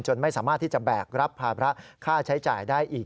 ไม่สามารถที่จะแบกรับภาระค่าใช้จ่ายได้อีก